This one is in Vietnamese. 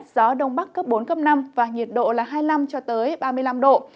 gió đông bắc cấp bốn năm và nhiệt độ hai mươi năm ba mươi năm độ